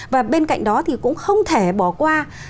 và bên cạnh đó thì cũng không thể bỏ qua